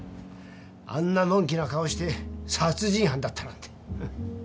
あんなのんきな顔して殺人犯だったなんて。